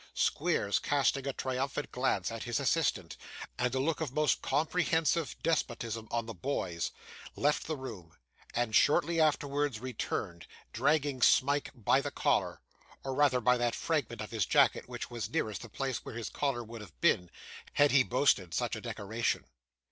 Squeers, casting a triumphant glance at his assistant and a look of most comprehensive despotism on the boys, left the room, and shortly afterwards returned, dragging Smike by the collar or rather by that fragment of his jacket which was nearest the place where his collar would have been, had he boasted such a decoration.